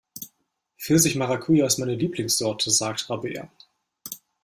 Pfirsich-Maracuja ist meine Lieblingssorte, sagt Rabea.